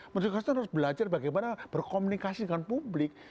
menteri kesehatan harus belajar bagaimana berkomunikasi dengan publik